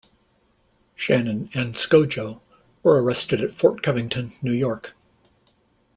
Shannon and Skojo were arrested at Fort Covington, New York.